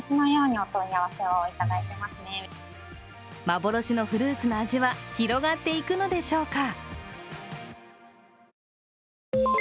幻のフルーツの味は広がっていくのでしょうか。